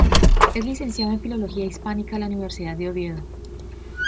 Es licenciado en Filología Hispánica por la Universidad de Oviedo.